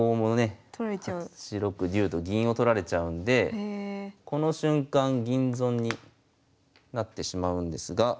８六竜と銀を取られちゃうんでこの瞬間銀損になってしまうんですが。